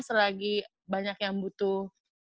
selagi banyak yang butuh